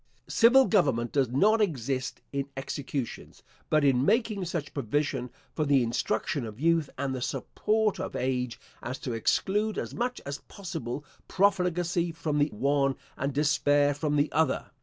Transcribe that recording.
Civil government does not exist in executions; but in making such provision for the instruction of youth and the support of age, as to exclude, as much as possible, profligacy from the one and despair from the other.